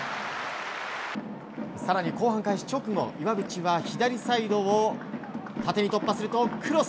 更に後半開始直後、岩渕は左サイドを縦に突破するとクロス。